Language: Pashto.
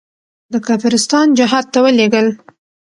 د کافرستان جهاد ته ولېږل.